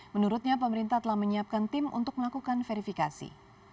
menurutnya pemerintah telah menyiapkan tim untuk melakukan verifikasi